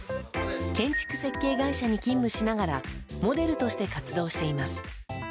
建築設計会社に勤務しながらモデルとして活動しています。